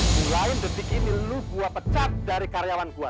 mulain detik ini lu gua pecat dari karyawan gua